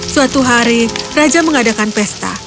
suatu hari raja mengadakan pesta